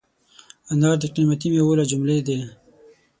انار د قیمتي مېوو له جملې دی.